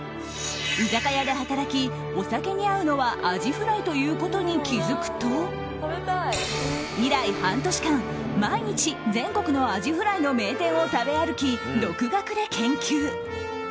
居酒屋で働き、お酒に合うのはアジフライということに気付くと以来、半年間毎日全国のアジフライの名店を食べ歩き、独学で研究。